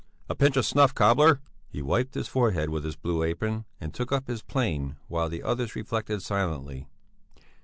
"A pinch of snuff, cobbler!" He wiped his forehead with his blue apron and took up his plane while the others reflected silently.